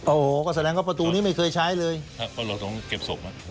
โอ้โหก็แสดงว่าประตูนี้ไม่เคยใช้เลยครับเพราะเราต้องเก็บศพมา